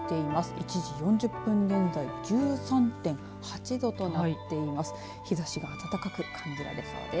１時４０分現在１３．８度となっています。